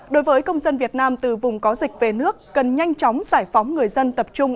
đối với công dân việt nam từ vùng có dịch về nước cần nhanh chóng giải phóng người dân tập trung